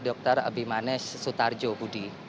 dokter bimanes sutarjo budi